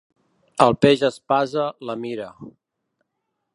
El peix espasa la mira.